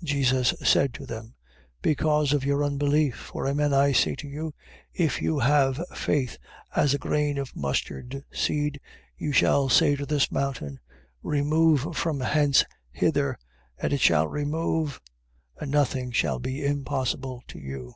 17:19. Jesus said to them: Because of your unbelief. For, amen I say to you, if you have faith as a grain of mustard seed, you shall say to this mountain: Remove from hence hither, and it shall remove: and nothing shall be impossible to you.